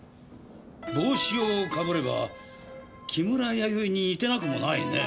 帽子をかぶれば木村弥生に似てなくもないね。